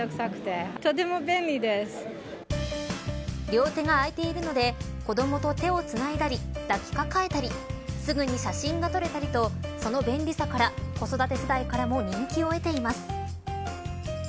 両手が空いているので子どもと手をつないだり抱き抱えたりすぐに写真が撮れたりとその便利さから子育て世代からも人気を得ています。